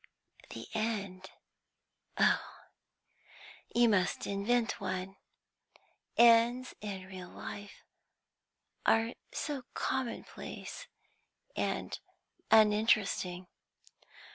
"The end? Oh, you must invent one. Ends in real life are so commonplace and uninteresting."